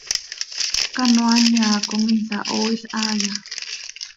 ¿Canoaa nyaa com insahooil haaya?